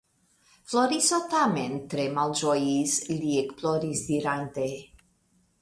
Floriso tamen tre malĝojis; li ekploris dirante.